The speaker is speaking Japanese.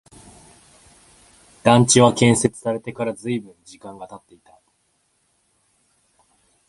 団地は建設されてから随分時間が経っていた